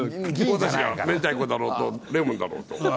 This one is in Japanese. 私が明太子だろうとレモンだろうと。